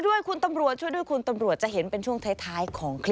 ด้วยคุณตำรวจช่วยด้วยคุณตำรวจจะเห็นเป็นช่วงท้ายของคลิป